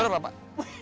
udah apa pak